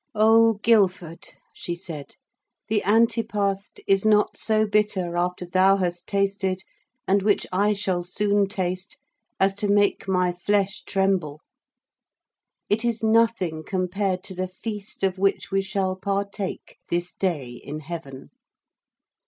'Oh! Guilford,' she said, 'the antipast is not so bitter after thou hast tasted, and which I shall soon taste, as to make my flesh tremble: it is nothing compared to the feast of which we shall partake this day in Heaven.'